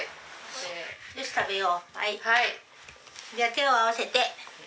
手を合わせて。